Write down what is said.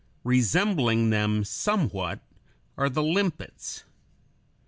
Resembling them somewhat are the limpets.